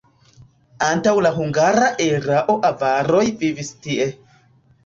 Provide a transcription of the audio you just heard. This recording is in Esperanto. Antaŭ la hungara erao avaroj vivis tie.